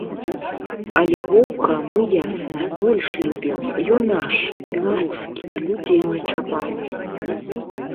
Але воўка, мы ясна, больш любім, ён наш, беларускі, і людзей не чапае.